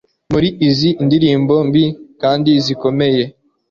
Muri izi ndirimbo mbi kandi zikomeye